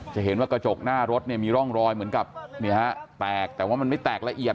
จะเห็นว่ากระจกหน้ารถเนี่ยมีร่องรอยเหมือนกับแตกแต่ว่ามันไม่แตกละเอียด